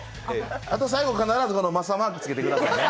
あと最後、必ず雅マークをつけてくださいね。